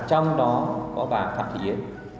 trong đó có bảo